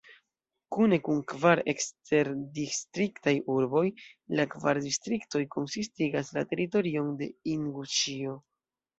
Kune kun kvar eksterdistriktaj urboj la kvar distriktoj konsistigas la teritorion de Inguŝio.